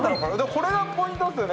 これがポイントですよね？